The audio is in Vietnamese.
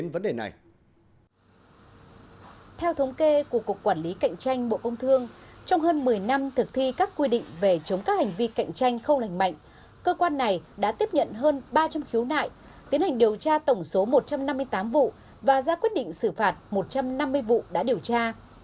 năm thực thi các quy định về chống các hành vi cạnh tranh không lành mạnh cơ quan này đã tiếp nhận hơn ba trăm linh khiếu nại tiến hành điều tra tổng số một trăm năm mươi tám vụ và ra quyết định xử phạt một trăm năm mươi vụ đã điều tra